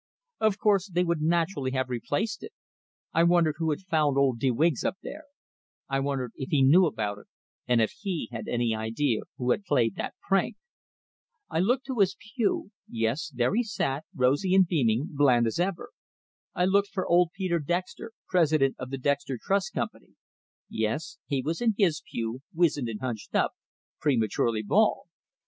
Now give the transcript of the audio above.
Of course, they would naturally have replaced it! I wondered who had found old de Wiggs up there; I wondered if he knew about it, and if he had any idea who had played that prank. I looked to his pew; yes, there he sat, rosy and beaming, bland as ever! I looked for old Peter Dexter, president of the Dexter Trust company yes, he was in his pew, wizened and hunched up, prematurely bald.